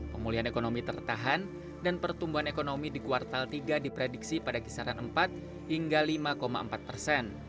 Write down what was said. pemulihan ekonomi tertahan dan pertumbuhan ekonomi di kuartal tiga diprediksi pada kisaran empat hingga lima empat persen